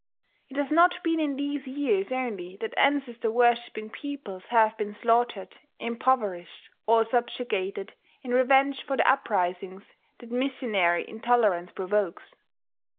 It has not been in these years only that ancestor worshipping peoples have been slaughtered, impoverished, or subjugated in revenge for the uprisings that missionary intolerance provokes.